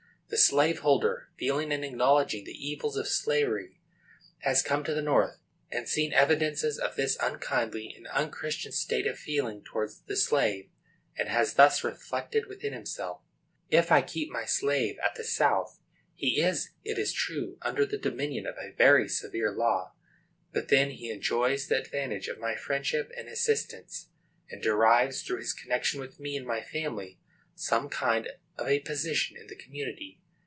The slave holder, feeling and acknowledging the evils of slavery, has come to the North, and seen evidences of this unkindly and unchristian state of feeling towards the slave, and has thus reflected within himself: "If I keep my slave at the South, he is, it is true, under the dominion of a very severe law; but then he enjoys the advantage of my friendship and assistance, and derives, through his connection with me and my family, some kind of a position in the community.